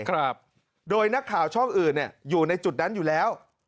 ครับโดยนักข่าวช่องอื่นเนี่ยอยู่ในจุดนั้นอยู่แล้ว